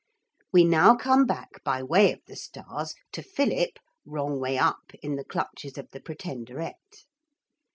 We now come back by way of the stars to Philip wrong way up in the clutches of the Pretenderette.